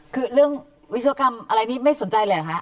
คือเรื่องวิศวกรรมอะไรนี้ไม่สนใจเลยเหรอคะ